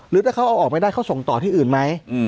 หรือถ้าเขาเอาออกไม่ได้เขาส่งต่อที่อื่นไหม